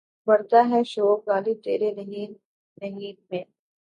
بڑھتا ہے شوق "غالب" تیرے نہیں نہیں میں.